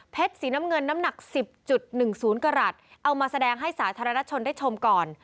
สีน้ำเงินน้ำหนัก๑๐๑๐กรัฐเอามาแสดงให้สาธารณชนได้ชมก่อน